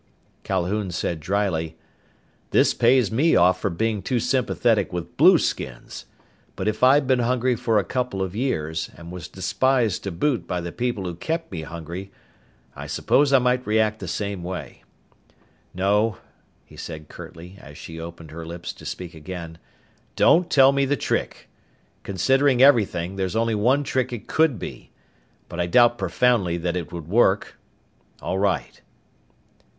Calhoun said dryly, "This pays me off for being too sympathetic with blueskins! But if I'd been hungry for a couple of years, and was despised to boot by the people who kept me hungry, I suppose I might react the same way. No," he said curtly as she opened her lips to speak again, "don't tell me the trick. Considering everything, there's only one trick it could be. But I doubt profoundly that it would work. All right."